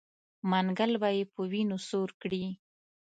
منګل به یې په وینو سور کړي.